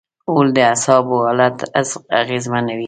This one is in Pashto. غول د اعصابو حالت اغېزمنوي.